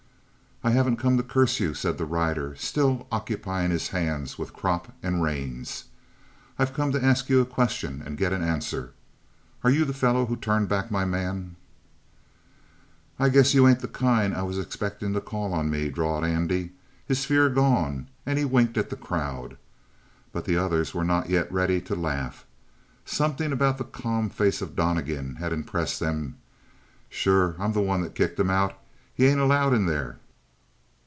"I haven't come to curse you," said the rider, still occupying his hands with crop and reins. "I've come to ask you a question and get an answer. Are you the fellow who turned back my man?" "I guess you ain't the kind I was expectin' to call on me," drawled Andy, his fear gone, and he winked at the crowd. But the others were not yet ready to laugh. Something about the calm face of Donnegan had impressed them. "Sure, I'm the one that kicked him out. He ain't allowed in there."